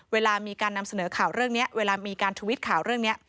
เวลามีการนำเสนอข่าวเรื่องนี้เวลามีการทวิตข่าวเรื่องนี้